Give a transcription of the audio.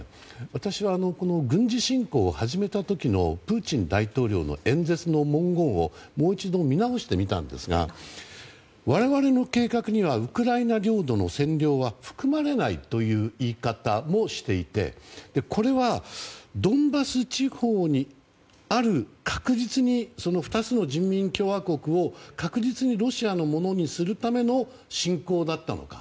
私は軍事侵攻を始めた時のプーチン大統領の演説の文言をもう一度見直してみたんですが我々の計画にはウクライナ領土の占領は含まれないという言い方もしていてこれはドンバス地方にある２つの人民共和国を確実にロシアのものにするための侵攻だったのか。